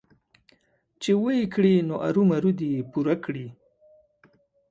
چې ويې کړي نو ارومرو دې يې پوره کړي.